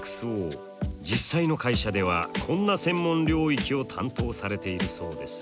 実際の会社ではこんな専門領域を担当されているそうです。